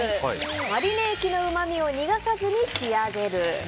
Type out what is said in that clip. マリネ液のうまみを逃さずに仕上げる。